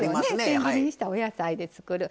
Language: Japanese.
せん切りにしたお野菜で作る。